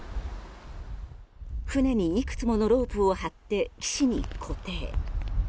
船にいくつものロープを張って岸に固定。